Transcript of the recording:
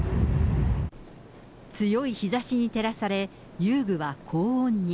強い日ざしに照らされ、遊具は高温に。